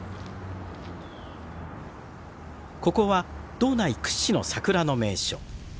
ここは道内屈指の桜の名所。